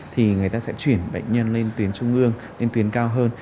thì người ta sẽ chuyển bệnh nhân lên tuyến trung ương lên tuyến cao hơn